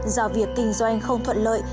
do việc kinh doanh không thuận lợi